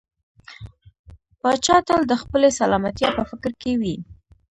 پاچا تل د خپلې سلامتيا په فکر کې وي .